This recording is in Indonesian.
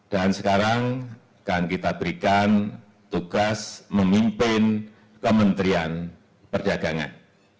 dan sekarang akan kita berikan tugas memimpin kementerian perdagangan